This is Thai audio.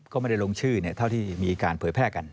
ก็ไม่ได้ลงชื่อเท่าที่มีการเผยแพร่กัน